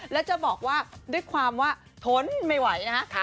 แล้วจะบอกว่าด้วยความว่าทนไม่ไหวนะฮะ